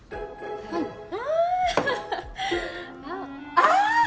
ああ！